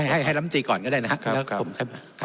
ให้ล้ำตีก่อนก็ได้นะครับแล้วผมเข้ามา